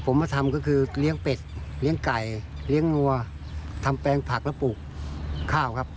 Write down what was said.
ผมมาทำก็คือเลี้ยงเป็ดเลี้ยงไก่เลี้ยงวัวทำแปลงผักและปลูกข้าวครับ